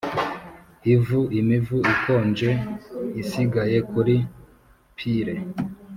ivu, imivu ikonje isigaye kuri pyre!